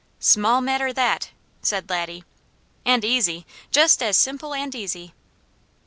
"Small matter, that!" said Laddie. "And easy! Just as simple and easy!"